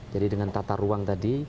jadi dengan tata ruang tadi